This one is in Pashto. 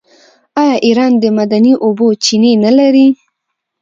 آیا ایران د معدني اوبو چینې نلري؟